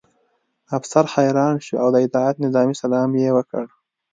افسر حیران شو او د اطاعت نظامي سلام یې وکړ